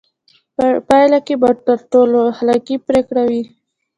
په پایله کې به تر ټولو اخلاقي پرېکړه وي.